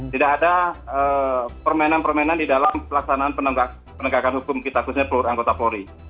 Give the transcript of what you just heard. tidak ada permainan permainan di dalam pelaksanaan penegakan hukum kita khususnya peluru anggota polri